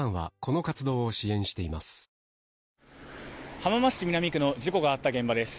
浜松市南区の事故があった現場です。